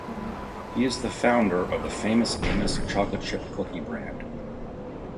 He is the founder of the "Famous Amos" chocolate chip cookie brand.